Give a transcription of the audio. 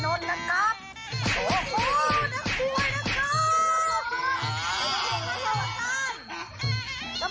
โหหทีเธอขี้น่ะครับ